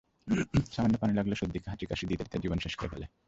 সামান্য পানি লাগলে সর্দি, কাশি, হাঁচি দিতে দিতে জীবন শেষ করে ফেলে।